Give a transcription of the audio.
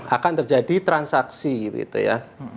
akan terjadi transaksi gitu ya